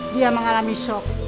dia mengalami shock